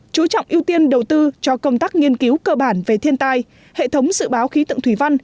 chú trọng ưu tiên đầu tư cho công tác nghiên cứu cơ bản về thiên tai hệ thống dự báo khí tượng thủy văn